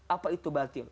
apa itu batil